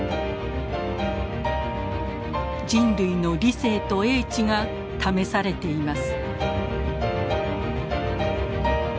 人類の理性と英知が試されています。